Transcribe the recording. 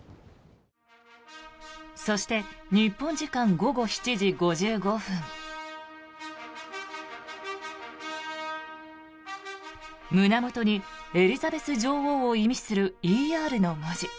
そして、日本時間午後７時５５分胸元にエリザベス女王を意味する「ＥＲ」の文字。